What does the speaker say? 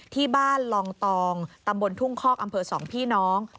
ที่บ้านลองตองตำบลทุ่งคอกอำเภอสองพี่น้อง